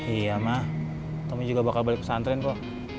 iya ma tommy juga bakal balik pesantren kok